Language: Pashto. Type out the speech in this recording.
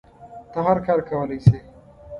ته هر کار کولی شی